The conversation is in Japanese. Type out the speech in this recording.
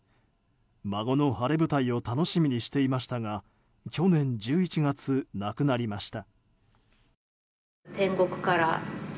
孫の晴れ舞台を楽しみにしていましたが去年１１月、亡くなりました。